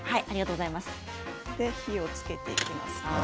そして火をつけていきます。